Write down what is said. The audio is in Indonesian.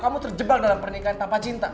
kamu terjebak dalam pernikahan tanpa cinta